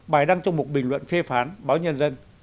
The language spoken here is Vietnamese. bài đăng trong một bình luận phê phán báo nhân dân